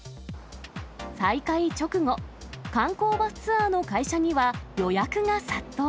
再開直後、観光バスツアーの会社には、予約が殺到。